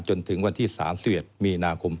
จนถึงวันที่๓๑มีนาคม